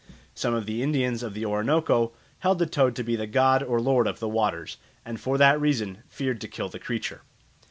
Some of the Indians of the Orinoco held the toad to be the god or lord of the waters, and for that reason feared to kill the creature.